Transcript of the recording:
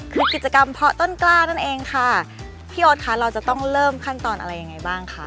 คือกิจกรรมเพาะต้นกล้านั่นเองค่ะพี่โอ๊ตค่ะเราจะต้องเริ่มขั้นตอนอะไรยังไงบ้างคะ